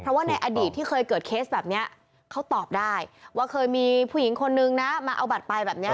เพราะว่าในอดีตที่เคยเกิดเคสแบบนี้เขาตอบได้ว่าเคยมีผู้หญิงคนนึงนะมาเอาบัตรไปแบบนี้